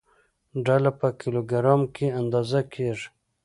ډله په کیلوګرام کې اندازه کېږي.